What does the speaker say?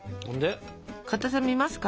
かたさ見ますか？